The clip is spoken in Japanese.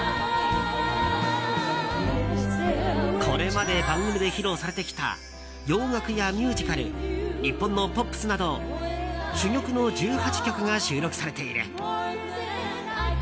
これまで番組で披露されてきた洋楽やミュージカル日本のポップスなど珠玉の１８曲が収録されている。